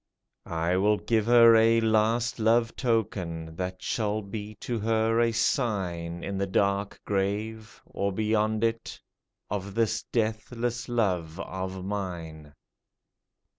I will give her a last love token That shall be to her a sign In the dark grave — or beyond it — Of this deathless love of mine."